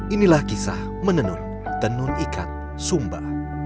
inilah kisah menenun tenun ikat sumba